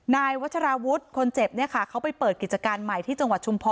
นายวัชราวุฒิคนเจ็บเนี่ยค่ะเขาไปเปิดกิจการใหม่ที่จังหวัดชุมพร